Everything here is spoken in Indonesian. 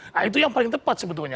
nah itu yang paling tepat sebetulnya